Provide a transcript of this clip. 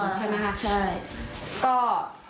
ใช่ก็ก็ถือว่านักนะคะก็จากการได้พูดคุยกับผู้ใหญ่บ้าน